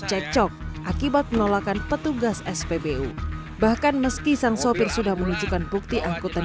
cekcok akibat penolakan petugas spbu bahkan meski sang sopir sudah menunjukkan bukti angkutan